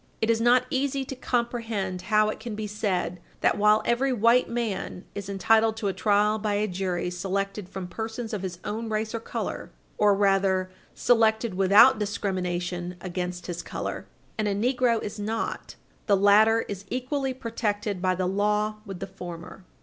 It is not easy to comprehend how it can be said that, while every white man is entitled to a trial by a jury selected from persons of his own race or color, or, rather, selected without discrimination against his color, and a negro is not, the latter is equally protected by the law with the former.